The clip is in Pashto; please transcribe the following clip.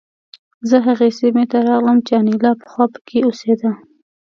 زه هغې سیمې ته راغلم چې انیلا پخوا پکې اوسېده